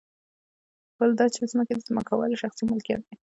بل دا چې ځمکه د ځمکوالو شخصي ملکیت دی